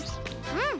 うん。